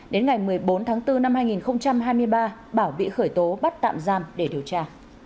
đến ngày một mươi bốn tháng bốn năm hai nghìn hai mươi ba bảo bị khởi tố bắt tạm giam để điều tra